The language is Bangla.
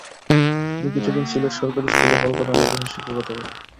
তিনি কিছুদিন সিলেট সরকারি স্কুল ও কলকাতা মাদ্রাসায় শিক্ষকতা করেন।